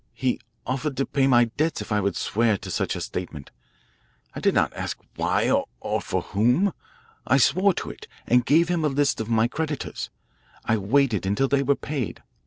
He offered to pay my debts if I would swear to such a statement. I did not ask why or for whom. I swore to it and gave him a list of my creditors. I waited until they were paid.